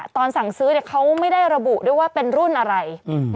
ตอนสั่งซื้อเขาไม่ได้ระบุด้วยว่าเป็นรุ่นอะไร